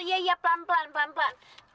iya ya pelan pelan pelan pelan